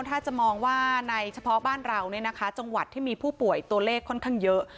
ถ้าจะมองว่าในเฉพาะบ้านเราจังหวัดที่มีผู้ป่วยตัวเลขค่อนข้างเยอะ